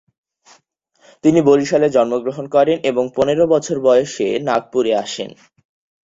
তিনি বরিশালে জন্মগ্রহণ করেন এবং পনেরো বছর বয়সে নাগপুরে আসেন।